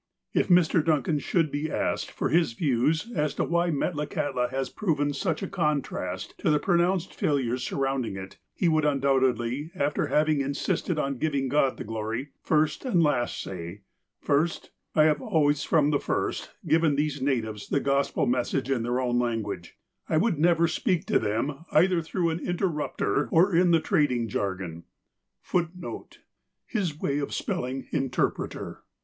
If Mr. Duncan should be asked for his views as to why Metlakahtla has proven such a contrast to the pronounced failures surrounding it, he would, undoubtedly, after hav ing insisted on giving God the glory, first and last, say :'' First : I have always, from the first, given these natives the Gospel message in their own language ; I never would speak to them, either through an inter rupter^ or in the trading jargon.'' "Second: I have kept out all sects and denomiua ' His way of spelling interpreter.